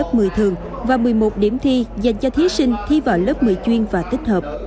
thí sinh vào lớp một mươi thường và một mươi một điểm thi dành cho thí sinh thi vào lớp một mươi chuyên và tích hợp